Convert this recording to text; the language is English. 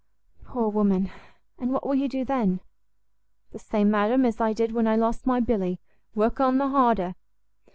"Poor woman! and what will you do then?" "The same, madam, as I did when I lost my Billy, work on the harder!"